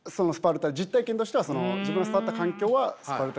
実体験としてはその自分が育った環境はスパルタ